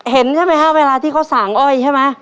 เห็นใช่ไหมคะเวลาที่เขาสางอ้อยใช่ไหม